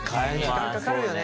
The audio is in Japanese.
時間かかるよね。